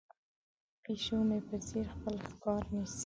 پیشو مې په ځیر خپل ښکار نیسي.